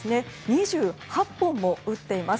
２８本も打っています。